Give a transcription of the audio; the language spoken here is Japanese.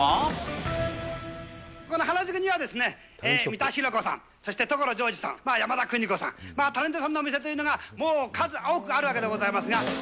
この原宿には、三田寛子さん、そして所ジョージさん、山田邦子さん、タレントさんの店というのが、もう数多くあるわけでございます